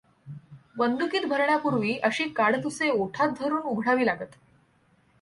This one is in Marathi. बंदुकीत भरण्यापूर्वी अशी काडतुसे ओठात धरून उघडावी लागत.